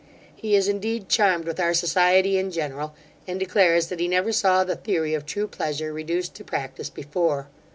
He is indeed charmed with our society in general, and declares that he never saw the theory of true pleasure reduced to practice before.